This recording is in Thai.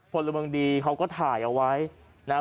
ผลมันดีเค้าก็ถ่ายเอาไว้นะครับ